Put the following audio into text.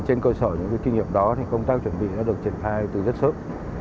trên cơ sở những kinh nghiệm đó thì công tác chuẩn bị đã được triển khai từ rất sớm